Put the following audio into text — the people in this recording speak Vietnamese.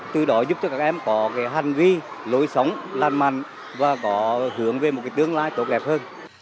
từ đó giúp cho các em có hành vi lối sống lành mạnh và có hướng về một tương lai tốt đẹp hơn